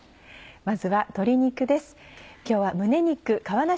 まずは鶏肉です。